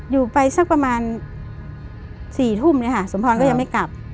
อยู่ไปสักประมาณ๔ทุ่มสมพรรณก็ยังไม่กลับ